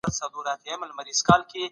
سړي هم د تیو په سرطان اخته کېږي.